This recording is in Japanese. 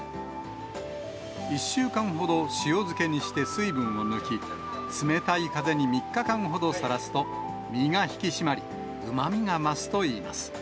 １週間ほど塩漬けにして水分を抜き、冷たい風に３日間ほどさらすと、身が引き締まり、うまみが増すといいます。